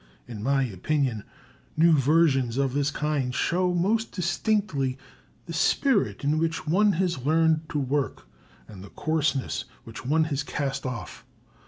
In my opinion, new versions of this kind show most distinctly the spirit in which one has learned to work and the coarsenesses which one has cast off.